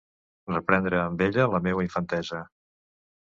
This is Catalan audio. Reprendre amb ella la meua infantesa.